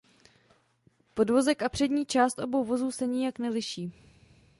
Podvozek a přední část obou vozů se nijak neliší.